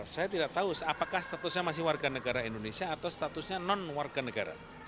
saya tidak tahu apakah statusnya masih warga negara indonesia atau statusnya non warga negara